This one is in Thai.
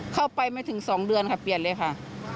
เข้าไปไม่ถึง๒เดือนค่ะเปลี่ยนเลยค่ะ